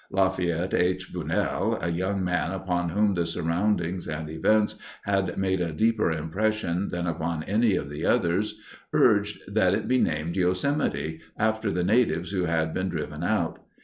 Lafayette H. Bunnell, a young man upon whom the surroundings and events had made a deeper impression than upon any of the others, urged that it be named Yosemite, after the natives who had been driven out.